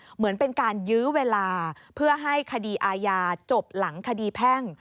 เหมือนเป็นการยื้อเวลาเพื่อให้คดีอาญาจบหลังคดีแพ่ง